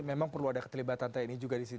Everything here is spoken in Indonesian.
memang perlu ada ketelibatan tni juga disini